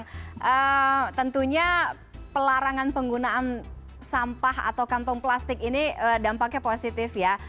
nah tentunya pelarangan penggunaan sampah atau kantong plastik ini dampaknya positif ya